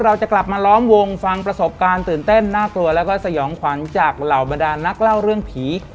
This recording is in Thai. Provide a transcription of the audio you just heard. เราจะกลับมาล้อมวงฟังประสบการณ์ตื่นเต้นน่ากลัวแล้วก็สยองขวัญจากเหล่าบรรดานนักเล่าเรื่องผี